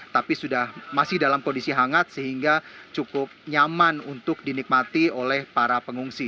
tapi masih dalam kondisi hangat sehingga cukup nyaman untuk dinikmati oleh para pengungsi